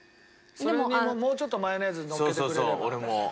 それにもうちょっとマヨネーズのっけてくれれば。